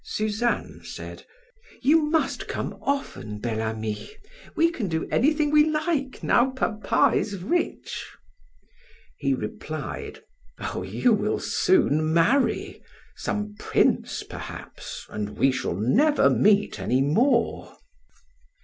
Suzanne said: "You must come often, Bel Ami; we can do anything we like now papa is rich." He replied: "Oh, you will soon marry some prince, perhaps, and we shall never meet any more."